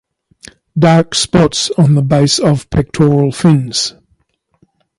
Dark spots on the base of pectoral fins.